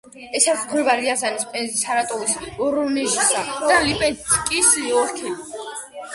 ესაზღვრება რიაზანის, პენზის, სარატოვის, ვორონეჟისა და ლიპეცკის ოლქები.